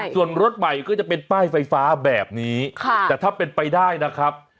ส่วนรถใหม่ก็จะเป็นป้ายไฟฟ้าแบบนี้แต่ถ้าเป็นไปได้นะครับ